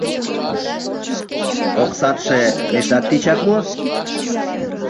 — Оксатше мешак тичак мо?